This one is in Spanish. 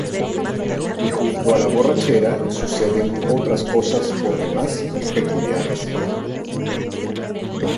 Y junto a la borrachera suceden otras cosas por demás peculiares.